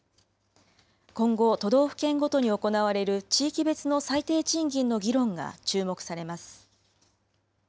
今後、都道府県ごとに行われる地域別の最低賃金の議論が注目されます。